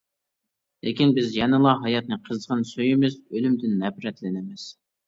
لېكىن، بىز يەنىلا ھاياتنى قىزغىن سۆيىمىز، ئۆلۈمدىن نەپرەتلىنىمىز.